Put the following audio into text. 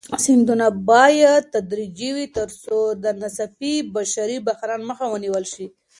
ستنېدنه بايد تدريجي وي تر څو د ناڅاپي بشري بحران مخه ونيول شي.